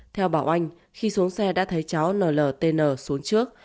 theo bảo anh khi xuống xe đã thấy cháu nltn xuống trước